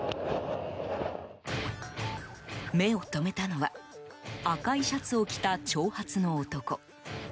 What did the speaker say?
目を留めたのは赤いシャツを着た長髪の男。